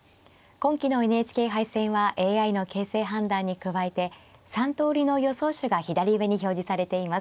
今期のＮＨＫ杯戦はＡＩの形勢判断に加えて３通りの予想手が左上に表示されています。